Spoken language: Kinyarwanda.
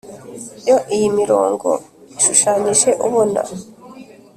yo iyi mirongo ishushanyije ubona,